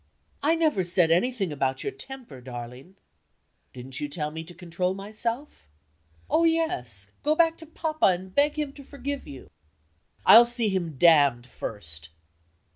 "I never said anything about your temper, darling." "Didn't you tell me to control myself?" "Oh, yes! Go back to Papa, and beg him to forgive you." "I'll see him damned first!"